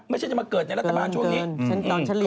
ไม่ใช่จะมาเกิดในรัฐบาลช่วงนี้